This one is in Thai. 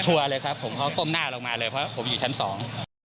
ชัวร์เลยครับผมเค้าต้มหน้าลงมาเลยเพราะว่าผมอยู่ชั้นสอง